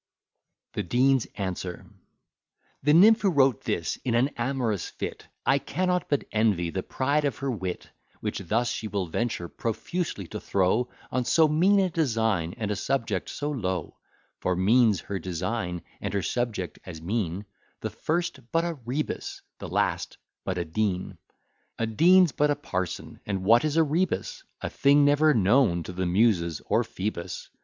[Footnote 1: Jo seph.] [Footnote 2: Nathan.] [Footnote 3: Swift.] THE DEAN'S ANSWER The nymph who wrote this in an amorous fit, I cannot but envy the pride of her wit, Which thus she will venture profusely to throw On so mean a design, and a subject so low. For mean's her design, and her subject as mean, The first but a rebus, the last but a dean. A dean's but a parson: and what is a rebus? A thing never known to the Muses or Phoebus.